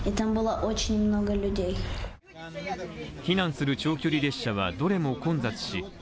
避難する長距離列車はどれも混雑し